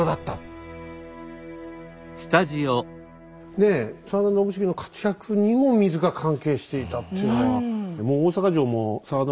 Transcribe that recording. ねえ真田信繁の活躍にも水が関係していたっていうのは。